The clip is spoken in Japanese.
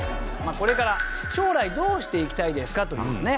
これから将来どうしていきたいですかというのがね。